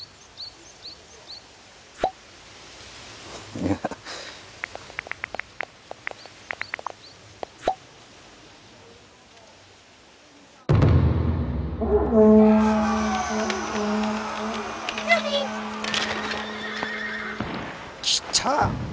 いや。来た！